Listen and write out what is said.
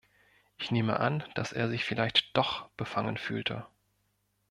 Ich nehme an, dass er sich vielleicht doch befangen fühlte.